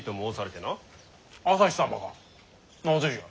なぜじゃ。